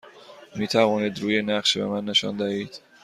می توانید روی نقشه به من نشان دهید؟